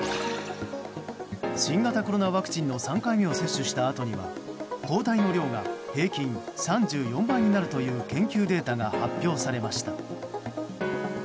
新型コロナワクチンの３回目を接種したあとには抗体の量が平均３４倍になるという研究データが発表されました。